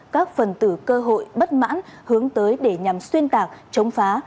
các phần tử cơ hội bất mãn hướng tới để nhằm xuyên tạc chống phá